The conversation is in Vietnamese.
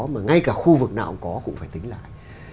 mà ngay cả khu vực nào cũng có cũng phải tính lại